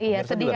iya sedih kan ya